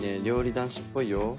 料理男子っぽいよ。